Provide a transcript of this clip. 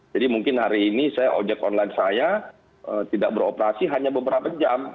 jadi mungkin hari ini objek online saya tidak beroperasi hanya beberapa jam